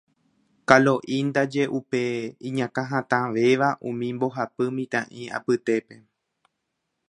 Kalo'i ndaje upe iñakãhatãvéva umi mbohapy mitã'i apytépe.